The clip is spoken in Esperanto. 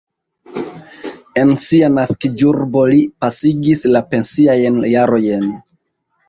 En sia naskiĝurbo li pasigis la pensiajn jarojn.